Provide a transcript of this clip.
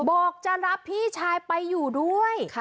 บอกจะรับพี่ชายไปอยู่ด้วย